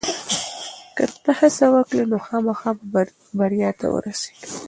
که ته هڅه وکړې نو خامخا به بریا ته ورسېږې.